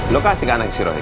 lu kasih ke anak si rohi